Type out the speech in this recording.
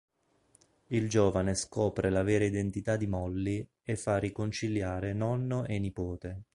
Il giovane scopre la vera identità di Mollie e fa riconciliare nonno e nipote.